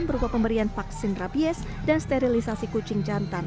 berupa pemberian vaksin rabies dan sterilisasi kucing jantan